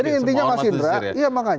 jadi intinya mas indra